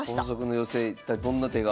一体どんな手が？